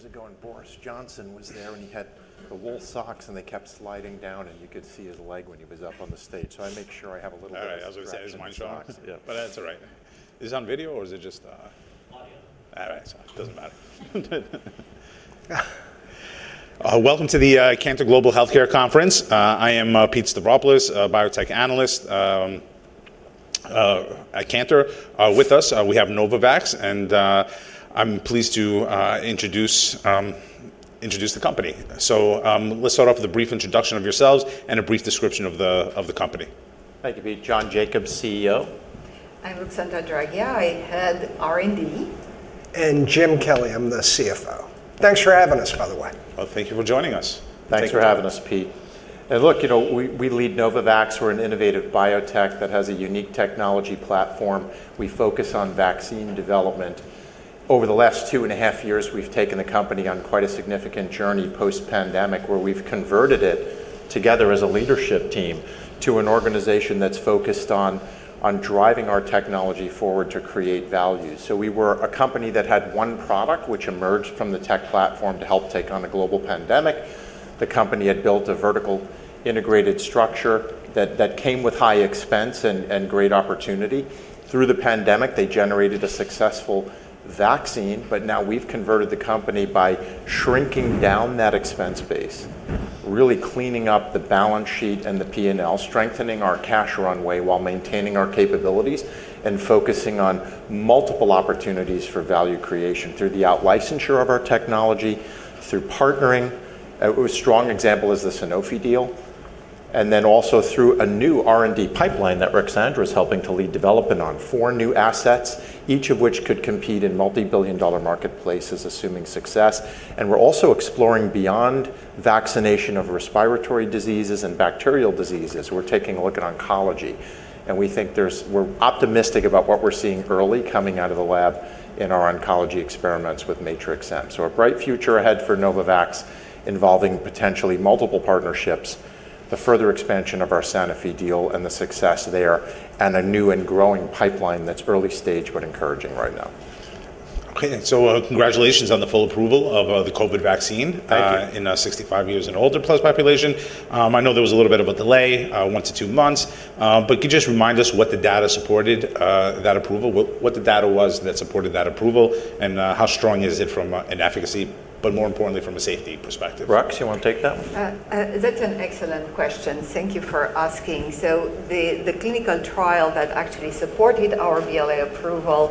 ... All right. I remember we were eating years ago, and Boris Johnson was there, and he had the wool socks, and they kept sliding down, and you could see his leg when he was up on the stage. So I make sure I have a little bit of traction in my socks. All right. I was gonna say, is it my socks? Yeah. But that's all right. Is this on video, or is it just? Audio. All right, so it doesn't matter. Welcome to the Cantor Global Healthcare Conference. I am Pete Stavropoulos, a biotech analyst at Cantor. With us we have Novavax, and I'm pleased to introduce the company. Let's start off with a brief introduction of yourselves and a brief description of the company. Thank you, Pete. John Jacobs, CEO. I'm Ruxandra Draghia. I head R&D. Jim Kelly, I'm the CFO. Thanks for having us, by the way. Thank you for joining us. Thanks for- Thank you. Having us, Pete. Look, you know, we lead Novavax. We're an innovative biotech that has a unique technology platform. We focus on vaccine development. Over the last 2.5 years, we've taken the company on quite a significant journey post-pandemic, where we've converted it, together as a leadership team, to an organization that's focused on driving our technology forward to create value, so we were a company that had one product, which emerged from the tech platform to help take on a global pandemic. The company had built a vertically integrated structure that came with high expense and great opportunity. Through the pandemic, they generated a successful vaccine, but now we've converted the company by shrinking down that expense base, really cleaning up the balance sheet and the P&L, strengthening our cash runway while maintaining our capabilities, and focusing on multiple opportunities for value creation through the out-licensure of our technology, through partnering. A strong example is the Sanofi deal, and then also through a new R&D pipeline that Ruxandra is helping to lead development on four new assets, each of which could compete in multi-billion dollar marketplaces, assuming success. We're also exploring beyond vaccination of respiratory diseases and bacterial diseases. We're taking a look at oncology, and we think there's.. We're optimistic about what we're seeing early coming out of the lab in our oncology experiments with Matrix-M. So a bright future ahead for Novavax, involving potentially multiple partnerships, the further expansion of our Sanofi deal and the success there, and a new and growing pipeline that's early stage, but encouraging right now. Okay, so, congratulations on the full approval of the COVID vaccine- Thank you... in 65 years and older plus population. I know there was a little bit of a delay, 1 month-2 months, but could you just remind us what the data supported that approval, what the data was that supported that approval, and how strong is it from an efficacy, but more importantly, from a safety perspective? Rux, you wanna take that one? That's an excellent question. Thank you for asking. So the clinical trial that actually supported our BLA approval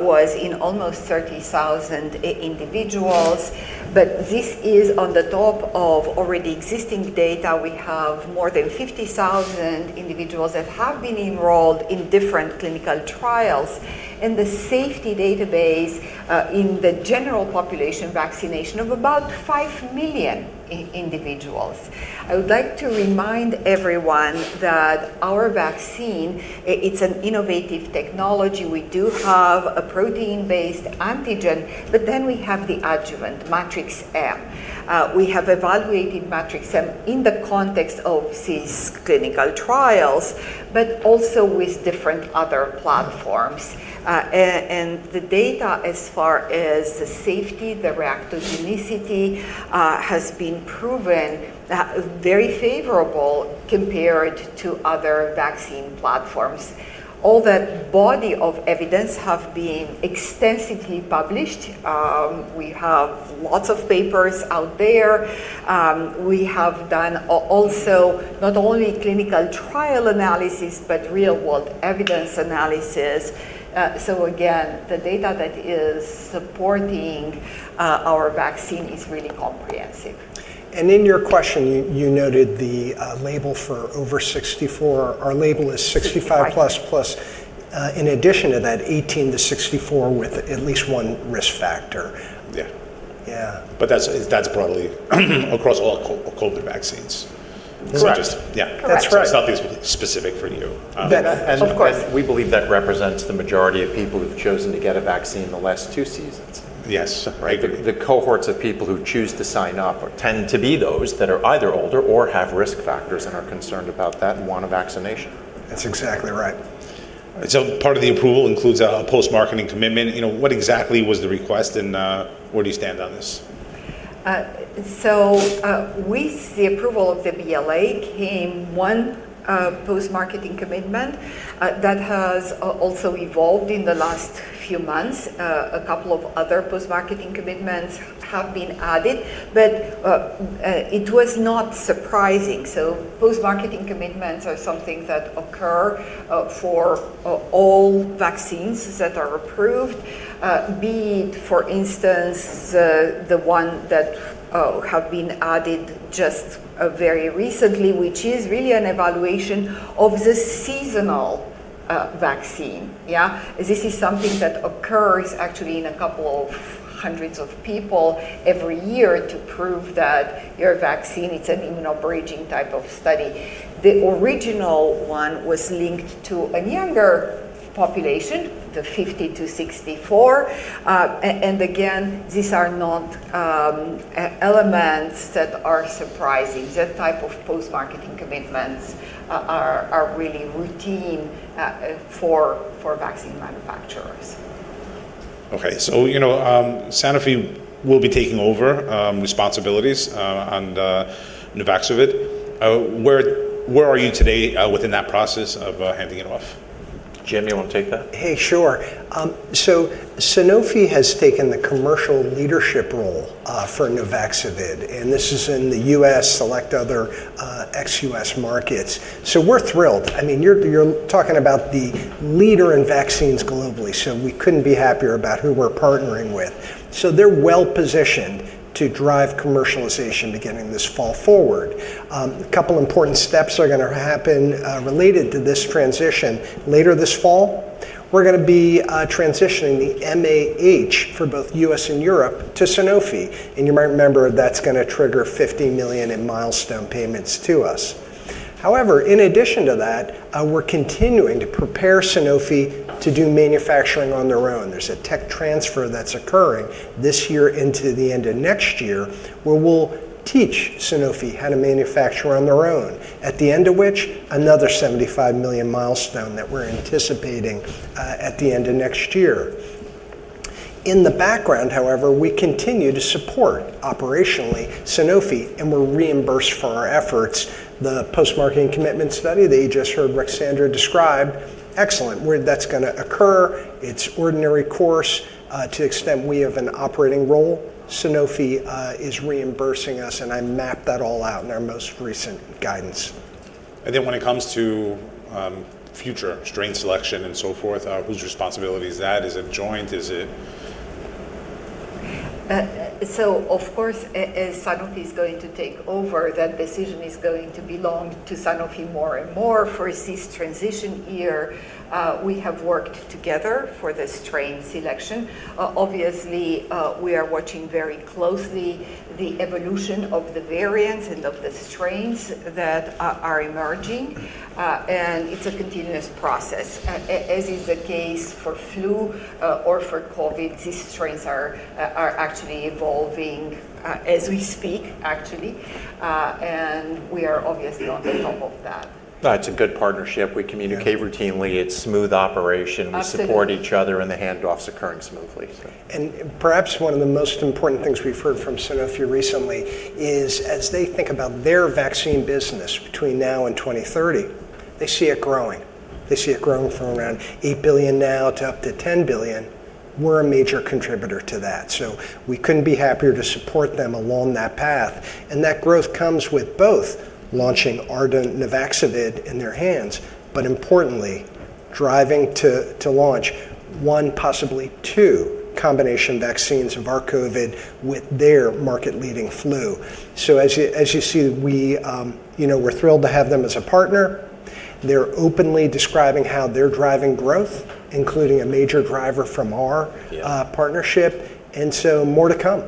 was in almost 30,000 individuals, but this is on the top of already existing data. We have more than 50,000 individuals that have been enrolled in different clinical trials, in the safety database, in the general population, vaccination of about five million individuals. I would like to remind everyone that our vaccine, it's an innovative technology. We do have a protein-based antigen, but then we have the adjuvant Matrix-M. We have evaluated Matrix-M in the context of these clinical trials, but also with different other platforms. And the data, as far as the safety, the reactogenicity, has been proven very favorable compared to other vaccine platforms. All that body of evidence have been extensively published. We have lots of papers out there. We have done also, not only clinical trial analysis, but real-world evidence analysis. So again, the data that is supporting our vaccine is really comprehensive. In your question, you noted the label for over 64. Our label is 65-plus Right In addition to that, 18-64, with at least one risk factor. Yeah. Yeah. But that's, that's broadly across all COVID vaccines? Correct. So just... Yeah. Correct. That's right. It's nothing specific for you, That- Of course... and we believe that represents the majority of people who've chosen to get a vaccine in the last two seasons. Yes. Right. The cohorts of people who choose to sign up tend to be those that are either older or have risk factors and are concerned about that and want a vaccination. That's exactly right. So part of the approval includes a post-marketing commitment. You know, what exactly was the request, and where do you stand on this? So, with the approval of the BLA came one post-marketing commitment. That has also evolved in the last few months. A couple of other post-marketing commitments have been added, but it was not surprising. Post-marketing commitments are something that occur for all vaccines that are approved. Be it, for instance, the one that have been added just very recently, which is really an evaluation of the seasonal vaccine. Yeah? This is something that occurs actually in a couple of hundreds of people every year to prove that your vaccine, it's an immunobridging type of study. The original one was linked to a younger population, the 50-64. And again, these are not elements that are surprising. That type of post-marketing commitments are really routine for vaccine manufacturers.... Okay, so, you know, Sanofi will be taking over responsibilities on the Nuvaxovid. Where are you today within that process of handing it off? Jim, you wanna take that? Hey, sure. So Sanofi has taken the commercial leadership role for Nuvaxovid, and this is in the U.S., select other ex-U.S. markets. So we're thrilled. I mean, you're, you're talking about the leader in vaccines globally, so we couldn't be happier about who we're partnering with. So they're well-positioned to drive commercialization beginning this fall forward. A couple important steps are gonna happen related to this transition. Later this fall, we're gonna be transitioning the MAH for both U.S. and Europe to Sanofi, and you might remember that's gonna trigger $50 million in milestone payments to us. However, in addition to that, we're continuing to prepare Sanofi to do manufacturing on their own. There's a tech transfer that's occurring this year into the end of next year, where we'll teach Sanofi how to manufacture on their own, at the end of which, another $75 million milestone that we're anticipating, at the end of next year. In the background, however, we continue to support, operationally, Sanofi, and we're reimbursed for our efforts. The post-marketing commitment study that you just heard Ruxandra describe, excellent. Where that's gonna occur, it's ordinary course. To the extent we have an operating role, Sanofi is reimbursing us, and I mapped that all out in our most recent guidance. And then when it comes to, future strain selection and so forth, whose responsibility is that? Is it joint? Is it? So of course, as Sanofi is going to take over, that decision is going to belong to Sanofi more and more. For this transition year, we have worked together for the strain selection. Obviously, we are watching very closely the evolution of the variants and of the strains that are emerging, and it's a continuous process. As is the case for flu, or for COVID, these strains are actually evolving, as we speak, actually. And we are obviously on top of that. It's a good partnership. Yeah. We communicate routinely. It's smooth operation. Absolutely. We support each other, and the handoff's occurring smoothly, so- And perhaps one of the most important things we've heard from Sanofi recently is, as they think about their vaccine business between now and 2030, they see it growing. They see it growing from around $8 billion now to up to $10 billion. We're a major contributor to that, so we couldn't be happier to support them along that path, and that growth comes with both launching our Nuvaxovid in their hands, but importantly, driving to launch one, possibly two combination vaccines of our COVID with their market-leading flu. So as you see, we, you know, we're thrilled to have them as a partner. They're openly describing how they're driving growth, including a major driver from our- Yeah.... partnership, and so more to come.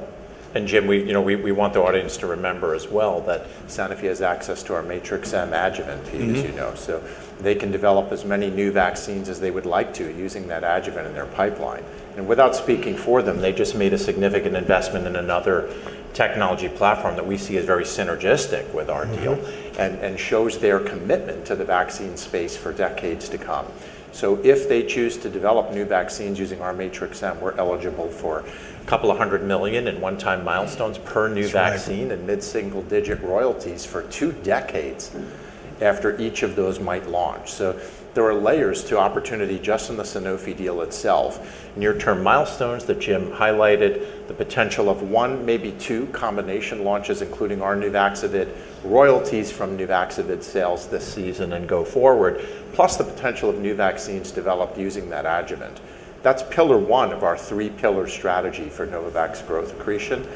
Jim, we, you know, we want the audience to remember as well that Sanofi has access to our Matrix-M adjuvant piece- Mm-hmm.... as you know, so they can develop as many new vaccines as they would like to using that adjuvant in their pipeline. And without speaking for them, they just made a significant investment in another technology platform that we see as very synergistic with our deal- Mm-hmm.... and shows their commitment to the vaccine space for decades to come. So if they choose to develop new vaccines using our Matrix-M, we're eligible for $200 million in one-time milestones per new vaccine- That's right.... and mid-single-digit royalties for two decades- Mm-hmmm.... after each of those might launch. So there are layers to opportunity just in the Sanofi deal itself. Near-term milestones that Jim highlighted, the potential of one, maybe two combination launches, including our Nuvaxovid, royalties from Nuvaxovid sales this season and go forward, plus the potential of new vaccines developed using that adjuvant. That's pillar one of our three-pillar strategy for Novavax growth accretion.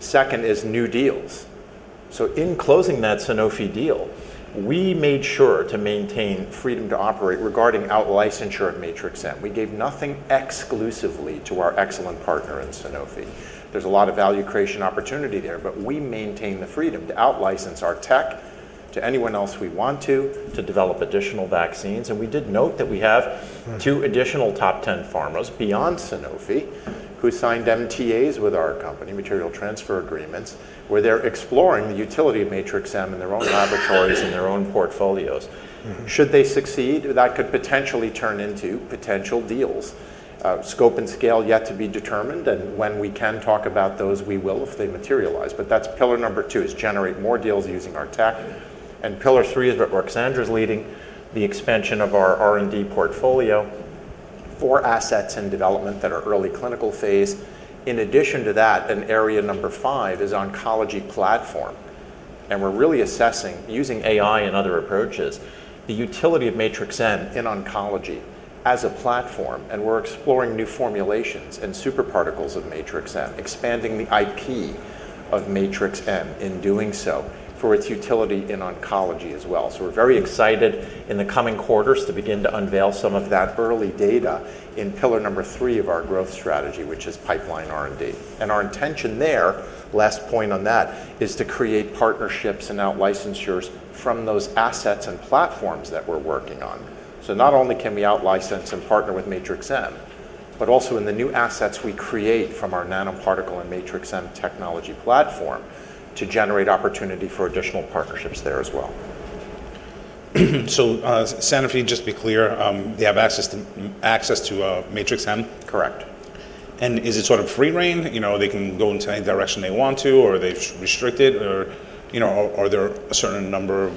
Second is new deals. So in closing that Sanofi deal, we made sure to maintain freedom to operate regarding out-licensure of Matrix-M. We gave nothing exclusively to our excellent partner in Sanofi. There's a lot of value creation opportunity there, but we maintain the freedom to out-license our tech to anyone else we want to, to develop additional vaccines. And we did note that we have- Mm-hmm.... two additional top ten pharmas beyond Sanofi, who signed MTAs with our company, Material Transfer Agreements, where they're exploring the utility of Matrix-M in their own laboratories... and their own portfolios. Mm-hmm. Should they succeed, that could potentially turn into potential deals. Scope and scale yet to be determined, and when we can talk about those, we will, if they materialize, but that's pillar number two, is generate more deals using our tech. And pillar three is what Ruxandra's leading, the expansion of our R&D portfolio, four assets in development that are early clinical phase. In addition to that, an area number five is oncology platform, and we're really assessing, using AI and other approaches, the utility of Matrix-M in oncology as a platform, and we're exploring new formulations and supraparticles of Matrix-M, expanding the IP of Matrix-M in doing so, for its utility in oncology as well. So we're very excited in the coming quarters to begin to unveil some of that early data in pillar number three of our growth strategy, which is pipeline R&D. Our intention there, last point on that, is to create partnerships and out-licensures from those assets and platforms that we're working on. Not only can we out-license and partner with Matrix-M, but also in the new assets we create from our nanoparticle and Matrix-M technology platform to generate opportunity for additional partnerships there as well. So, Sanofi, just to be clear, they have access to Matrix-M? Correct. Is it sort of free rein? You know, they can go into any direction they want to, or are they restricted, or, you know, are there a certain number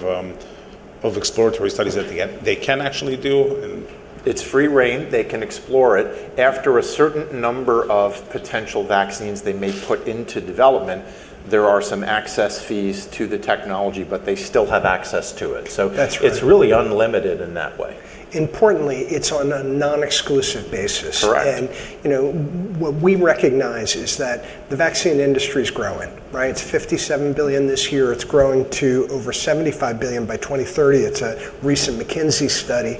of exploratory studies that they can actually do and- It's free rein. They can explore it. After a certain number of potential vaccines they may put into development, there are some access fees to the technology, but they still have access to it. So- That's right. It's really unlimited in that way. Importantly, it's on a non-exclusive basis. Correct. And, you know, what we recognize is that the vaccine industry is growing, right? It's $57 billion this year. It's growing to over $75 billion by 2030. It's a recent McKinsey study,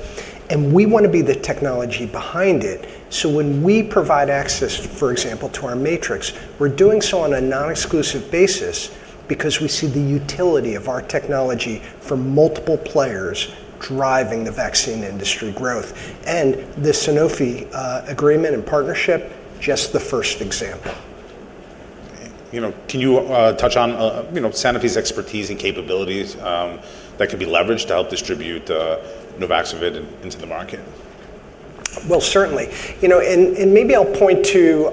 and we want to be the technology behind it. So when we provide access, for example, to our Matrix, we're doing so on a non-exclusive basis because we see the utility of our technology for multiple players driving the vaccine industry growth. And the Sanofi agreement and partnership, just the first example. You know, can you touch on, you know, Sanofi's expertise and capabilities that could be leveraged to help distribute Nuvaxovid into the market? Certainly. You know, and maybe I'll point to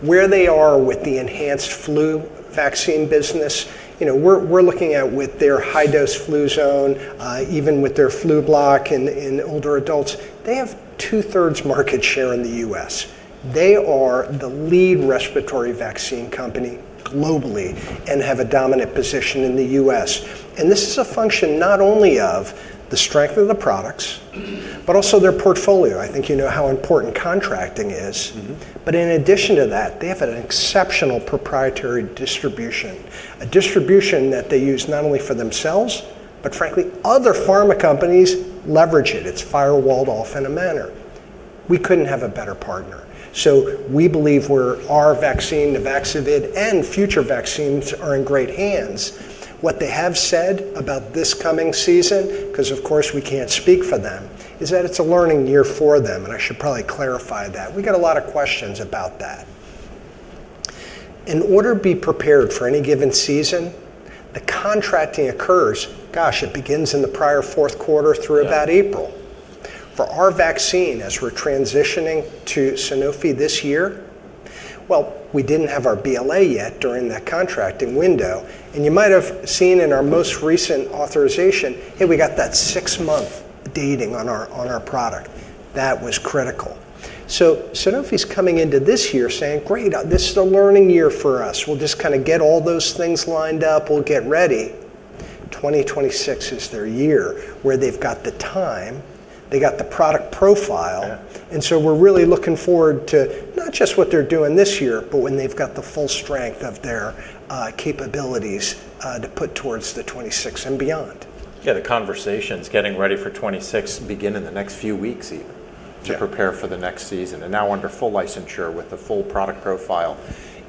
where they are with the enhanced flu vaccine business. You know, we're looking at with their high-dose Fluzone, even with their Flublok in older adults, they have 2/3 market share in the U.S. They are the lead respiratory vaccine company globally and have a dominant position in the U.S. And this is a function not only of the strength of the products, but also their portfolio. I think you know how important contracting is. Mm-hmm. In addition to that, they have an exceptional proprietary distribution, a distribution that they use not only for themselves, but frankly, other pharma companies leverage it. It's firewalled off in a manner. We couldn't have a better partner. So we believe our vaccine, Nuvaxovid, and future vaccines are in great hands. What they have said about this coming season, 'cause of course we can't speak for them, is that it's a learning year for them, and I should probably clarify that. We get a lot of questions about that. In order to be prepared for any given season, the contracting occurs, gosh, it begins in the prior fourth quarter- Yeah.... through about April. For our vaccine, as we're transitioning to Sanofi this year, well, we didn't have our BLA yet during that contracting window, and you might have seen in our most recent authorization, hey, we got that six-month dating on our product. That was critical. So Sanofi's coming into this year saying: "Great, this is a learning year for us. We'll just kind of get all those things lined up. We'll get ready." 2026 is their year where they've got the time, they've got the product profile- Yeah.... and so we're really looking forward to not just what they're doing this year, but when they've got the full strength of their capabilities to put towards the 2026 and beyond. Yeah, the conversations getting ready for 2026 begin in the next few weeks even- Yeah... to prepare for the next season, and now under full licensure with the full product profile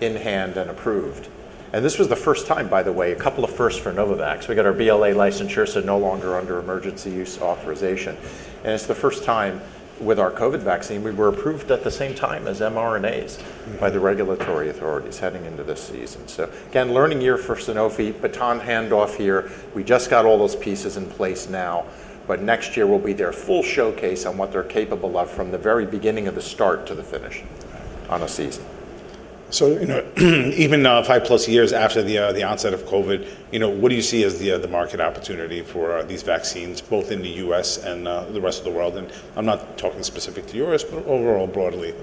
in hand and approved. And this was the first time, by the way, a couple of firsts for Novavax. We got our BLA licensure, so no longer under Emergency Use Authorization. And it's the first time with our COVID vaccine, we were approved at the same time as mRNAs- Mm-hmm.... by the regulatory authorities heading into this season, so again, learning year for Sanofi, baton handoff year. We just got all those pieces in place now, but next year will be their full showcase on what they're capable of from the very beginning of the start to the finish- Right... on a season. So, you know, even 5+ years after the onset of COVID, you know, what do you see as the market opportunity for these vaccines, both in the U.S. and the rest of the world? And I'm not talking specific to yours, but overall, broadly.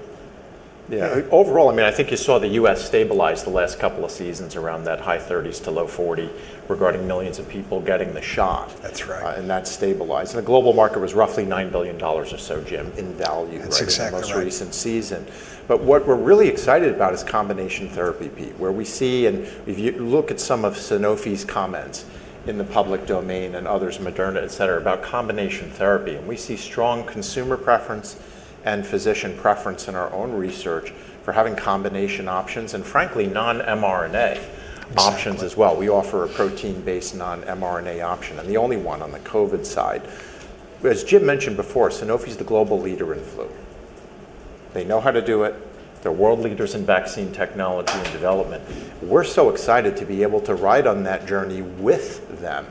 Yeah, overall, I mean, I think you saw the U.S. stabilize the last couple of seasons around that high 30s to low 40, regarding millions of people getting the shot. That's right. And that stabilized. The global market was roughly $9 billion or so, Jim, in value- That's exactly right.... in the most recent season. But what we're really excited about is combination therapy, Pete. Where we see, and if you look at some of Sanofi's comments in the public domain and others, Moderna, et cetera, about combination therapy, and we see strong consumer preference and physician preference in our own research for having combination options and frankly, non-mRNA- Exactly... options as well. We offer a protein-based non-mRNA option, and the only one on the COVID side. As Jim mentioned before, Sanofi is the global leader in flu. They know how to do it. They're world leaders in vaccine technology and development. We're so excited to be able to ride on that journey with them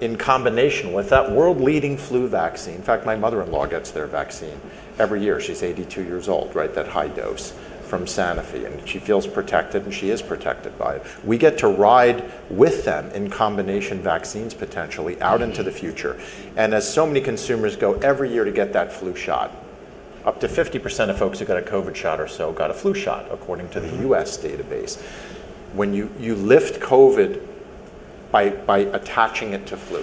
in combination with that world-leading flu vaccine. In fact, my mother-in-law gets their vaccine every year. She's 82 years old, right? That high dose from Sanofi, and she feels protected, and she is protected by it. We get to ride with them in combination vaccines, potentially out into the future, and as so many consumers go every year to get that flu shot, up to 50% of folks who got a COVID shot or so got a flu shot, according to the- Mm-hmm.... U.S. database. When you lift COVID by attaching it to flu.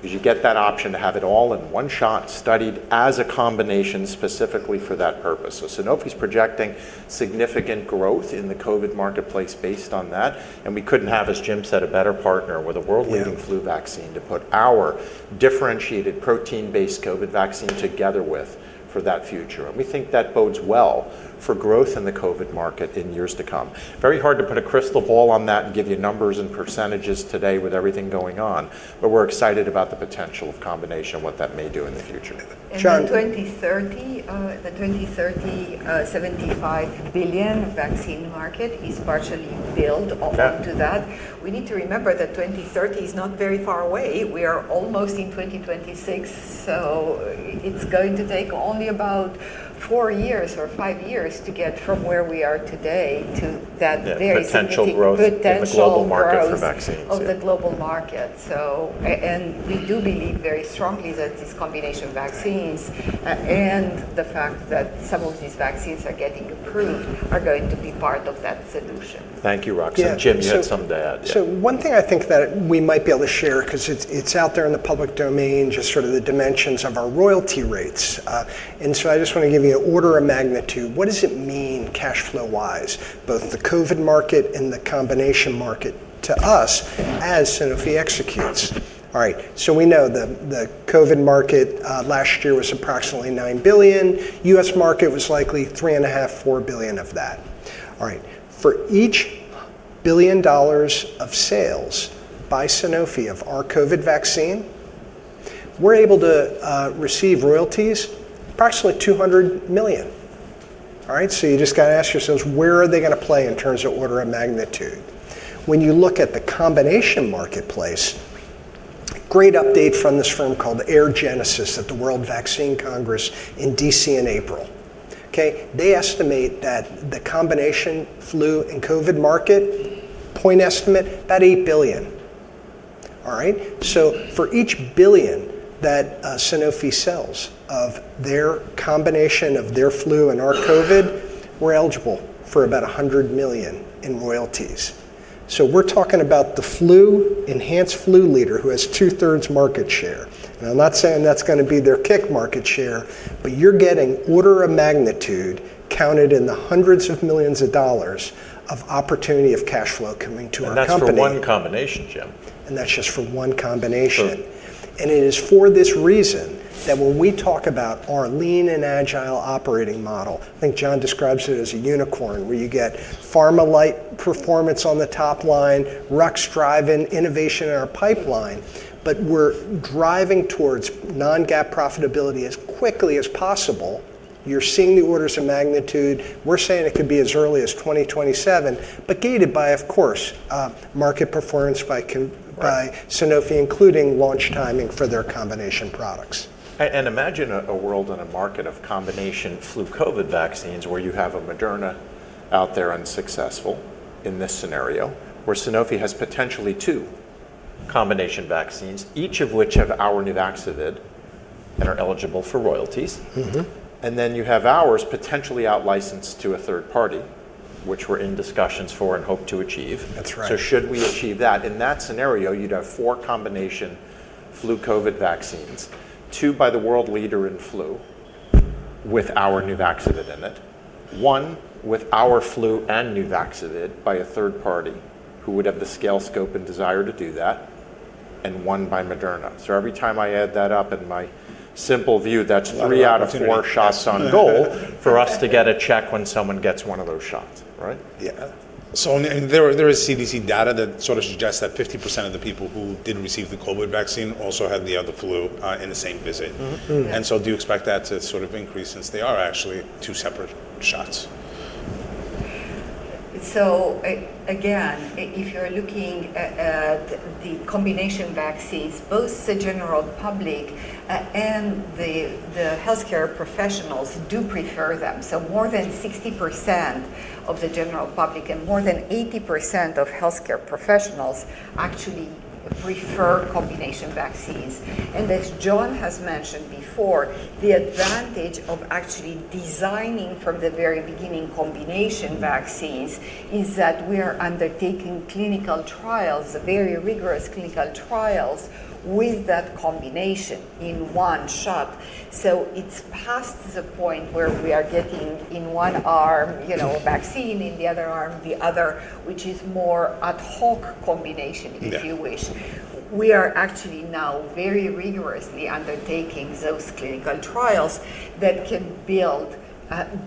'Cause you get that option to have it all in one shot studied as a combination specifically for that purpose. So Sanofi's projecting significant growth in the COVID marketplace based on that, and we couldn't have, as Jim said, a better partner- Yeah With a world-leading flu vaccine to put our differentiated protein-based COVID vaccine together with for that future, and we think that bodes well for growth in the COVID market in years to come. Very hard to put a crystal ball on that and give you numbers and percentages today with everything going on, but we're excited about the potential of combination, what that may do in the future. John? The 2030 $75 billion vaccine market is partially built off into that. Yeah. We need to remember that 2030 is not very far away. We are almost in 2026, so it's going to take only about four years or five years to get from where we are today to that very- The potential growth- Potential growth-... in the global market for vaccines. of the global market. So and we do believe very strongly that these combination vaccines, and the fact that some of these vaccines are getting approved, are going to be part of that solution. Thank you, Rux. Yeah, so- Jim, you had something to add. So one thing I think that we might be able to share, 'cause it's out there in the public domain, just sort of the dimensions of our royalty rates. And so I just want to give you an order of magnitude. What does it mean cash flow-wise, both the COVID market and the combination market to us as Sanofi executes? All right, so we know the COVID market last year was approximately $9 billion. U.S. market was likely $3.5 billion-$4 billion of that. All right, for each billion dollars of sales by Sanofi of our COVID vaccine, we're able to receive royalties, approximately $200 million. All right? So you just gotta ask yourselves, where are they gonna play in terms of order of magnitude? When you look at the combination marketplace, great update from this firm called Orgenesis at the World Vaccine Congress in D.C. in April. Okay, they estimate that the combination flu and COVID market, point estimate, about $8 billion. All right? So for each billion that, Sanofi sells of their combination of their flu and our COVID, we're eligible for about $100 million in royalties. So we're talking about the flu-enhanced flu leader who has 2/3 market share. Now, I'm not saying that's gonna be their peak market share, but you're getting order of magnitude counted in the hundreds of millions of dollars of opportunity of cash flow coming to our company. That's for one combination, Jim. That's just for one combination. Sure. And it is for this reason that when we talk about our lean and agile operating model, I think John describes it as a unicorn, where you get pharma-light performance on the top line, Rux driving innovation in our pipeline. But we're driving towards non-GAAP profitability as quickly as possible. You're seeing the orders of magnitude. We're saying it could be as early as 2027, but guided by, of course, market performance by Sanofi, including launch timing for their combination products. Imagine a world and a market of combination flu/COVID vaccines, where you have a Moderna out there and successful in this scenario, where Sanofi has potentially two combination vaccines, each of which have our Nuvaxovid and are eligible for royalties. Mm-hmm. And then you have ours potentially out-licensed to a third party, which we're in discussions for and hope to achieve. That's right. So should we achieve that, in that scenario, you'd have four combination flu/COVID vaccines: two by the world leader in flu with our Nuvaxovid in it, one with our flu and Nuvaxovid by a third party, who would have the scale, scope, and desire to do that, and one by Moderna. So every time I add that up in my simple view, that's three- A lot of opportunity.... out of four shots on goal for us to get a check when someone gets one of those shots, right? Yeah. There is CDC data that sort of suggests that 50% of the people who did receive the COVID vaccine also had the other flu in the same visit. Mm-hmm. Mm-hmm. And so do you expect that to sort of increase, since they are actually two separate shots? So again, if you're looking at the combination vaccines, both the general public and the healthcare professionals do prefer them. So more than 60% of the general public and more than 80% of healthcare professionals actually prefer combination vaccines. And as John has mentioned before, the advantage of actually designing, from the very beginning, combination vaccines, is that we are undertaking clinical trials, very rigorous clinical trials, with that combination in one shot. So it's past the point where we are getting in one arm, you know, vaccine, in the other arm, the other, which is more ad hoc combination- Yeah... if you wish. We are actually now very rigorously undertaking those clinical trials that can build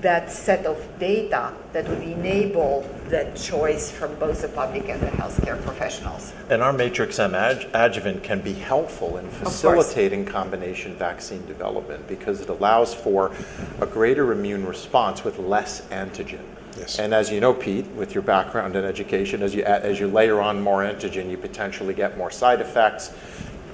that set of data that would enable that choice from both the public and the healthcare professionals. Our Matrix-M adjuvant can be helpful in facilitating- Of course... combination vaccine development, because it allows for a greater immune response with less antigen. Yes. And as you know, Pete, with your background in education, as you layer on more antigen, you potentially get more side effects.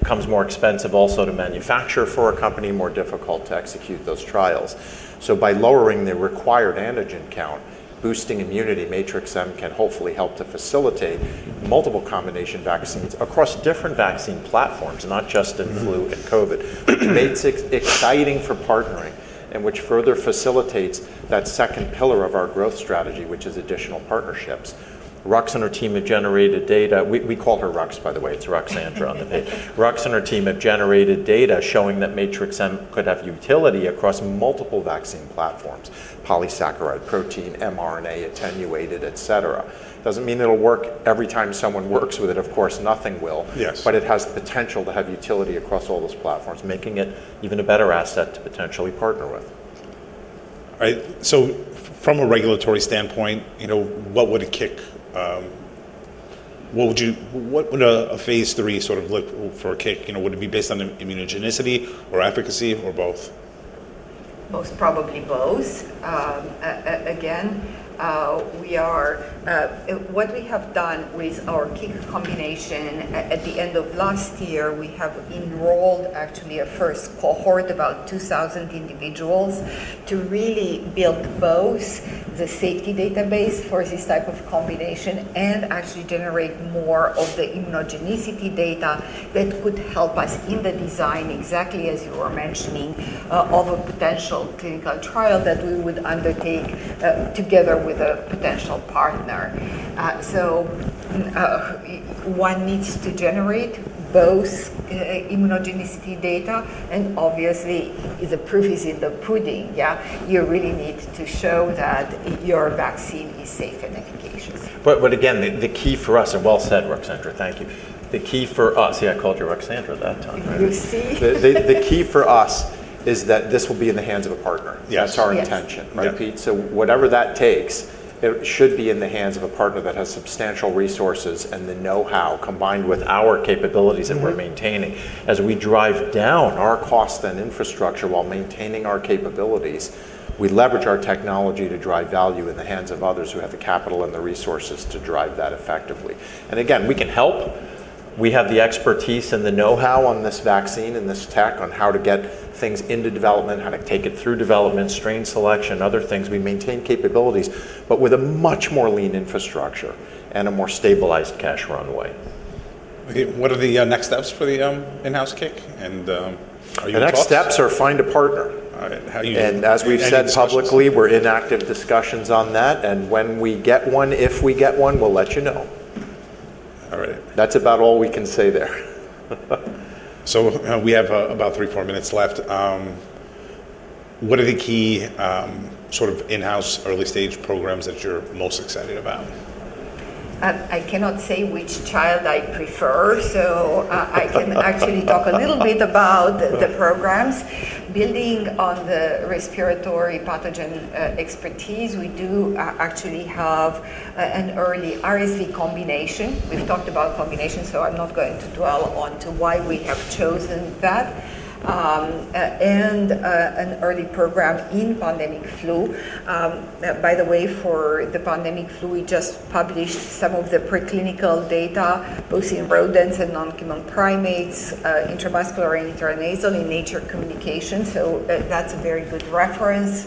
Becomes more expensive also to manufacture for a company, more difficult to execute those trials. So by lowering the required antigen count, boosting immunity, Matrix-M can hopefully help to facilitate multiple combination vaccines across different vaccine platforms, not just in flu and COVID. It makes it exciting for partnering, and which further facilitates that second pillar of our growth strategy, which is additional partnerships. Rux and her team have generated data. We call her Rux, by the way. It's Ruxandra on the page. Rux and her team have generated data showing that Matrix-M could have utility across multiple vaccine platforms: polysaccharide, protein, mRNA, attenuated, et cetera. Doesn't mean it'll work every time someone works with it. Of course, nothing will- Yes. But it has the potential to have utility across all those platforms, making it even a better asset to potentially partner with. All right. So from a regulatory standpoint, you know, what would a CIC? What would a phase III sort of look for a CIC? You know, would it be based on immunogenicity or efficacy or both? Most probably both. Again, what we have done with our CIC combination, at the end of last year, we have enrolled actually a first cohort, about 2,000 individuals, to really build both the safety database for this type of combination and actually generate more of the immunogenicity data that could help us in the design, exactly as you were mentioning, of a potential clinical trial that we would undertake together with a potential partner. So, one needs to generate both immunogenicity data, and obviously, the proof is in the pudding. Yeah, you really need to show that your vaccine is safe and efficacious. But again, the key for us. And well said, Ruxandra. Thank you. The key for us. See, I called you Ruxandra that time, right? You see? The key for us is that this will be in the hands of a partner. Yes. Yes. That's our intention. Yeah. Right, Pete? So whatever that takes, it should be in the hands of a partner that has substantial resources and the know-how, combined with our capabilities- Mm-hmm. That we're maintaining. As we drive down our costs and infrastructure while maintaining our capabilities, we leverage our technology to drive value in the hands of others who have the capital and the resources to drive that effectively. And again, we can help. We have the expertise and the know-how on this vaccine and this tech on how to get things into development, how to take it through development, strain selection, other things. We maintain capabilities, but with a much more lean infrastructure and a more stabilized cash runway. Okay, what are the next steps for the in-house CIC, and are you in talks? The next steps are find a partner. All right. How do you- any discussions? As we've said publicly, we're in active discussions on that, and when we get one, if we get one, we'll let you know. All right. That's about all we can say there. So, we have about three-four minutes left. What are the key sort of in-house early-stage programs that you're most excited about? I cannot say which child I prefer, so I can actually talk a little bit about the programs. Building on the respiratory pathogen expertise, we actually have an early RSV combination. We've talked about combination, so I'm not going to dwell on to why we have chosen that, and an early program in pandemic flu. By the way, for the pandemic flu, we just published some of the preclinical data, both in rodents and non-human primates, intravascular and intranasal in Nature Communications, so that's a very good reference,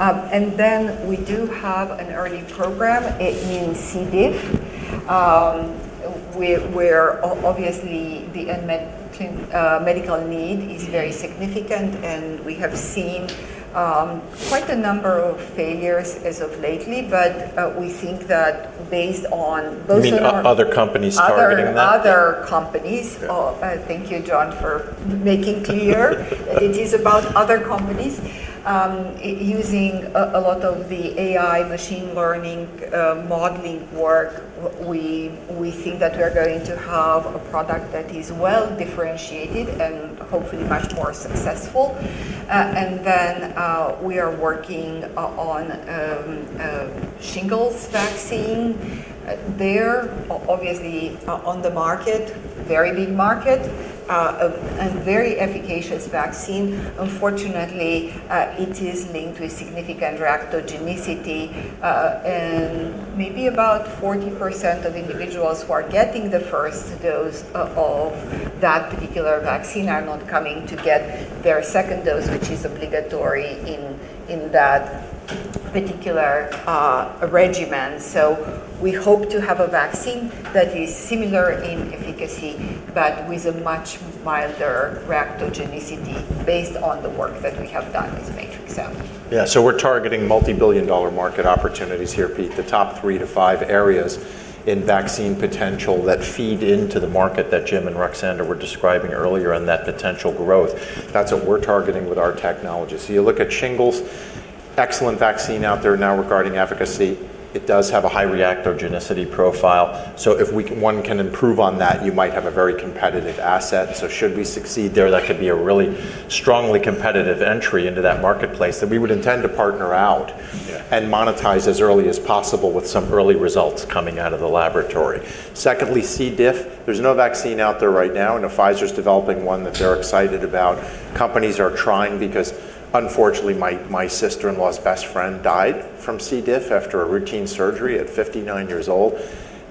and then we do have an early program in C. diff, where obviously, the unmet medical need is very significant, and we have seen quite a number of failures as of lately. But, we think that based on both of our- You mean other companies targeting that? Other companies. Yeah. Thank you, John, for making clear. It is about other companies. Using a lot of the AI machine learning modeling work, we think that we are going to have a product that is well-differentiated and hopefully much more successful. And then, we are working on a shingles vaccine. There, obviously, on the market, very big market, and very efficacious vaccine. Unfortunately, it is linked to a significant reactogenicity, and maybe about 40% of individuals who are getting the first dose of that particular vaccine are not coming to get their second dose, which is obligatory in that particular regimen. So we hope to have a vaccine that is similar in efficacy, but with a much milder reactogenicity based on the work that we have done with Matrix-M. Yeah, so we're targeting multibillion-dollar market opportunities here, Pete. The top three to five areas in vaccine potential that feed into the market that Jim and Ruxandra were describing earlier and that potential growth, that's what we're targeting with our technology. So you look at shingles, excellent vaccine out there now regarding efficacy. It does have a high reactogenicity profile, so if we can improve on that, you might have a very competitive asset. So should we succeed there, that could be a really strongly competitive entry into that marketplace that we would intend to partner out. Yeah And monetize as early as possible with some early results coming out of the laboratory. Secondly, C. diff. There's no vaccine out there right now. I know Pfizer's developing one that they're excited about. Companies are trying because unfortunately, my sister-in-law's best friend died from C. diff after a routine surgery at 59 years old.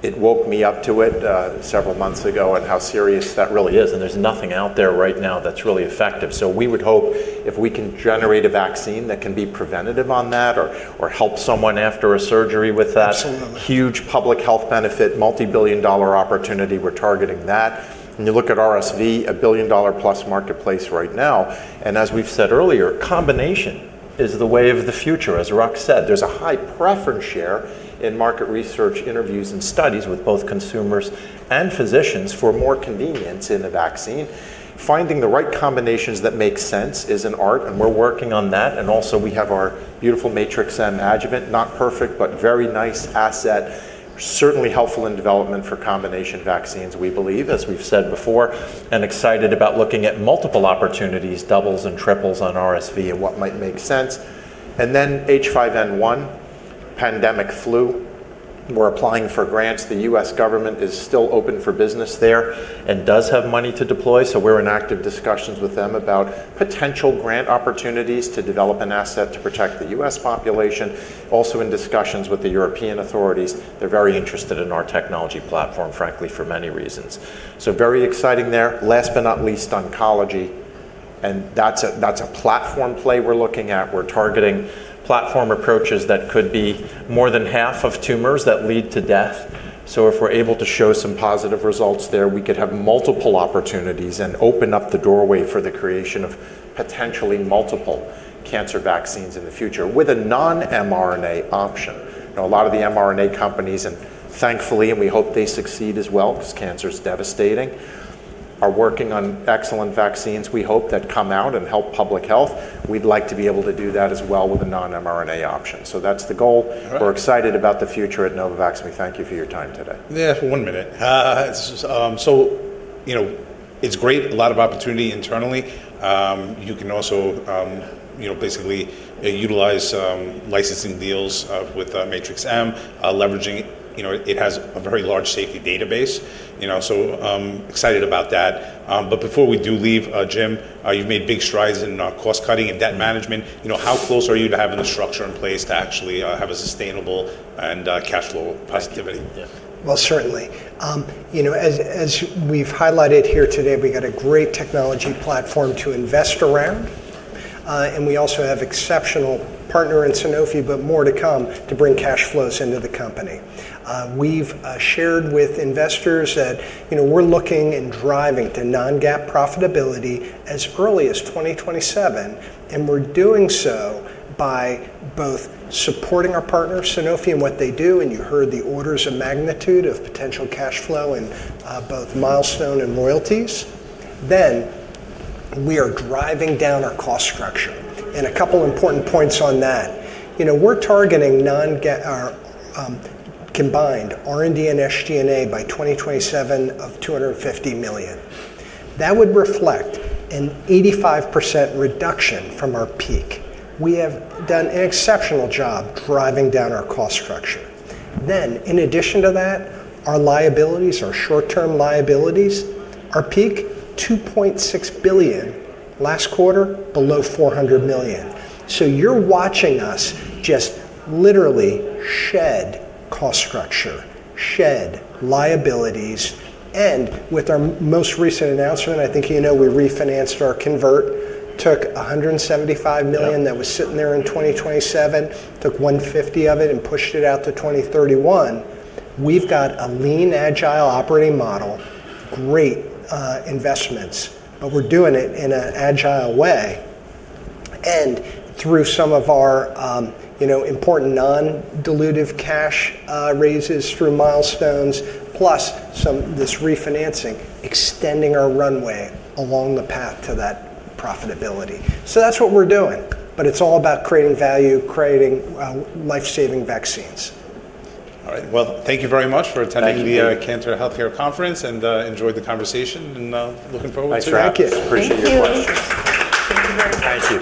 It woke me up to it several months ago, and how serious that really is, and there's nothing out there right now that's really effective. So we would hope if we can generate a vaccine that can be preventative on that or help someone after a surgery with that- Absolutely. Huge public health benefit, multi-billion-dollar opportunity, we're targeting that. When you look at RSV, a billion-dollar plus marketplace right now, and as we've said earlier, combination is the way of the future. As Rux said, there's a high preference share in market research, interviews, and studies with both consumers and physicians for more convenience in a vaccine. Finding the right combinations that make sense is an art, and we're working on that, and also, we have our beautiful Matrix-M adjuvant. Not perfect, but very nice asset. Certainly helpful in development for combination vaccines, we believe, as we've said before, and excited about looking at multiple opportunities, doubles and triples on RSV and what might make sense, and then H5N1, pandemic flu. We're applying for grants. The U.S. government is still open for business there and does have money to deploy, so we're in active discussions with them about potential grant opportunities to develop an asset to protect the U.S. population. Also in discussions with the European authorities. They're very interested in our technology platform, frankly, for many reasons. So very exciting there. Last but not least, oncology, and that's a platform play we're looking at. We're targeting platform approaches that could be more than half of tumors that lead to death. So if we're able to show some positive results there, we could have multiple opportunities and open up the doorway for the creation of potentially multiple cancer vaccines in the future with a non-mRNA option. You know, a lot of the mRNA companies, and thankfully, and we hope they succeed as well, 'cause cancer is devastating, are working on excellent vaccines we hope that come out and help public health. We'd like to be able to do that as well with a non-mRNA option. So that's the goal. All right. We're excited about the future at Novavax. We thank you for your time today. Yeah, one minute. You know, it's great, a lot of opportunity internally. You can also, you know, basically utilize licensing deals with Matrix-M leveraging. You know, it has a very large safety database, you know, so excited about that. But before we do leave, Jim, you've made big strides in cost-cutting and debt management. You know, how close are you to having the structure in place to actually have a sustainable and cash flow positivity? Yeah. Well, certainly. You know, as we've highlighted here today, we've got a great technology platform to invest around, and we also have exceptional partner in Sanofi, but more to come to bring cash flows into the company. We've shared with investors that, you know, we're looking and driving to non-GAAP profitability as early as 2027, and we're doing so by both supporting our partner, Sanofi, and what they do, and you heard the orders of magnitude of potential cash flow in both milestone and royalties. Then we are driving down our cost structure, and a couple important points on that. You know, we're targeting non-GAAP or combined R&D and SG&A by 2027 of $250 million. That would reflect an 85% reduction from our peak. We have done an exceptional job driving down our cost structure. Then, in addition to that, our liabilities, our short-term liabilities, our peak, $2.6 billion. Last quarter, below $400 million. So you're watching us just literally shed cost structure, shed liabilities, and with our most recent announcement, I think you know we refinanced our convert, took $175 million- Yep.... that was sitting there in 2027, took 150 of it and pushed it out to 2031. We've got a lean, agile operating model, great investments, but we're doing it in an agile way. And through some of our, you know, important non-dilutive cash raises through milestones, plus this refinancing, extending our runway along the path to that profitability. So that's what we're doing, but it's all about creating value, creating, well, life-saving vaccines. All right, well, thank you very much for attending- Thank you... the Cantor Healthcare Conference, and enjoyed the conversation, and looking forward to- Nice to have you. Thank you. Appreciate your questions. Thank you very much. Thank you.